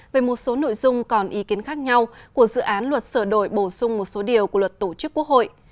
về một số nội dung còn ý kiến khác nhau của dự án luật sửa đổi bổ sung một số điều của luật tổ chức quốc hội